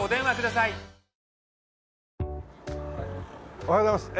おはようございます。